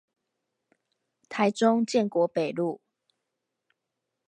台中建國北路